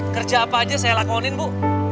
kerja apa aja saya lakonin bu